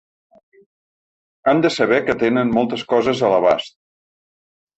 Han de saber que tenen moltes coses a l’abast.